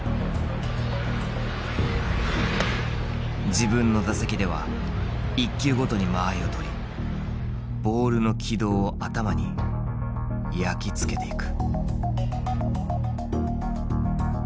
自分の打席では１球ごとに間合いを取りボールの軌道を頭に焼き付けていく。